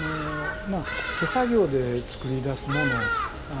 手作業で作り出すもの。